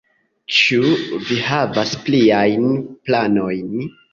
Ĉu vi havas pliajn planojn?